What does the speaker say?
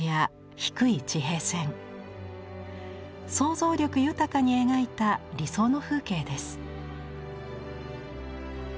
想像力豊かに描いた理想の風景です。